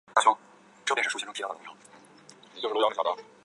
低度开发国家之一。